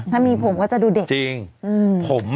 ถ้ามีผมก็จะดูเด็ก